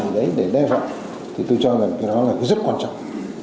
để đe vọng thì tôi cho rằng cái đó là rất quan trọng